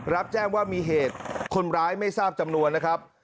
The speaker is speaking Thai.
รับแจ้งว่ามีเหตุคนร้ายไม่ทราบจำนวนนะครับ